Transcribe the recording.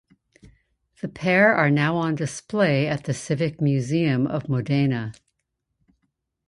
The pair are now on display at the Civic Museum of Modena.